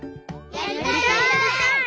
やりたい！